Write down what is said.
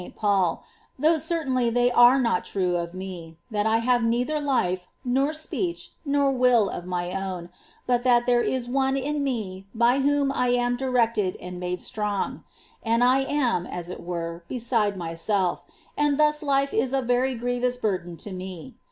Paul,^ — though cer tainly they are not true of me, — that I have neither life, nor speech, nor will of my own, but that there is One in me by whom I am directed and made strong ; and I am, as it were, beside myself, and thus life is a very grievous burden to me.